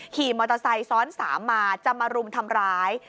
ขี่มอเตอร์ไซค์ซ้อน๓มาจะมารุมทำร้าย